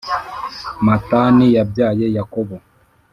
Matani yabyaye Yakobo